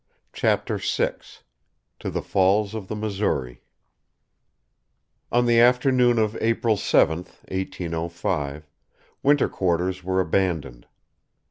CHAPTER VI TO THE FALLS OF THE MISSOURI On the afternoon of April 7, 1805, winter quarters were abandoned.